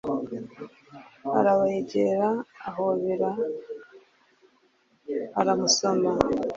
arabegera ahobera aramusoma